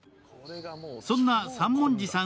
そんな三文字さん